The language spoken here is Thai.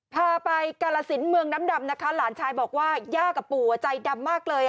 พาไปกาลสินเมืองน้ำดำนะคะหลานชายบอกว่าย่ากับปู่ใจดำมากเลย